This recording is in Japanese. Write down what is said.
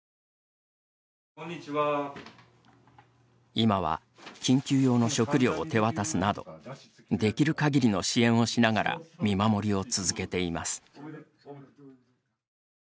今は緊急用の食料を手渡すなどできる限りの支援をしながら見守りを続けています。